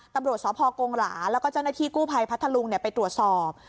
ตำรวจสพกงหลาแล้วก็เจ้าหน้าที่กู้ภัยพัทธลุงไปตรวจสอบ